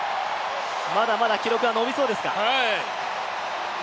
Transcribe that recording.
まだまだ記録が伸びそうですか。